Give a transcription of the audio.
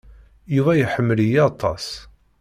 Yuba iḥemmel-iyi aṭas.